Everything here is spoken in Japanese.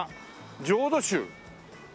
「浄土宗」？